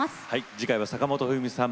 次回は坂本冬美さん